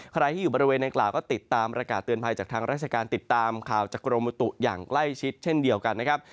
ใครที่อยู่บริเวณนางกล่าวก็ติดตามประกาศเตือนภัยจากทางราชการติดตามข่าวจากกรมบุตุอย่างใกล้ชิดเช่นเดียวกันนะครับ